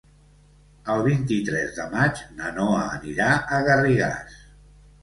El vint-i-tres de maig na Noa anirà a Garrigàs.